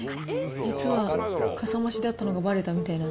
実はかさ増しだったのがばれたみたいな。